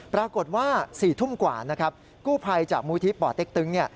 ปรากฏว่า๔ทุ่มกว่านะครับกู้ภัยจากมูลที่ป่อเต็กตึง